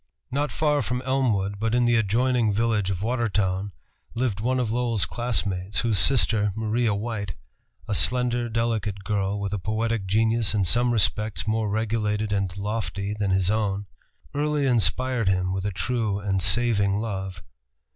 Not far from Elmwood, but in the adjoining village of Watertown, lived one of Lowell's classmates, whose sister, Maria White, a slender, delicate girl, with a poetic genius in some respects more regulated and lofty than his own, early inspired him with a true and saving love.